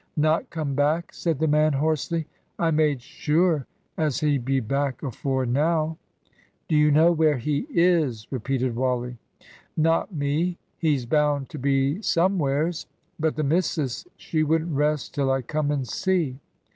"Not come back?" said the man, hoarsely. "I made sure as he'd be back afore now." "Do you know where he is?" repeated Wally. "Not me he's bound to be somewheres. But the missus, she wouldn't rest till I come and see."